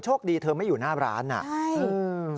โชคดีเธอไม่อยู่หน้าร้านคะอืม